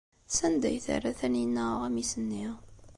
Sanda ay terra Taninna aɣmis-nni?